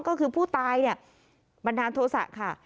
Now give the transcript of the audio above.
ก็คือผู้ตายเนี่ยบันดาลโทษะค่ะ